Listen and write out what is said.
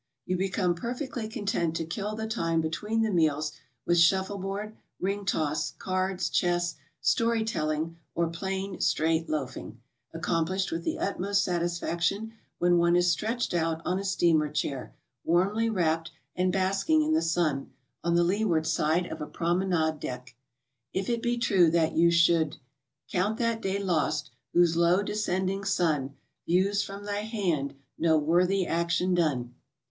You become perfectly content to kill the time between the meals with shuffle board, ring toss, cards, chess, story telling, or plain, straight loafing, accomplished with the utmost satisfaction when one is stretched out on a steamer chair, warmly wrapped, and basking in the sun, on the leeward side of a promenade deck. If it be true that you should "Count that day lost whose low descending sun Views from thy hand no worthy action done."